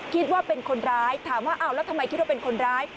คิดว่าเป็นคนร้ายถามว่าอ้าวแล้วทำไมคิดว่าเป็นคนร้าย